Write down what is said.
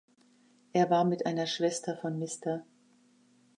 Er war mit einer Schwester von Mr.